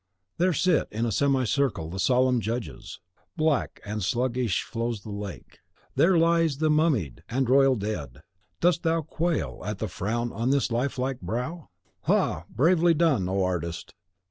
There sit in a semicircle the solemn judges. Black and sluggish flows the lake. There lies the mummied and royal dead. Dost thou quail at the frown on his lifelike brow? Ha! bravely done, O artist!